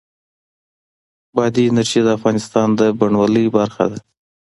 بادي انرژي د افغانستان د بڼوالۍ برخه ده.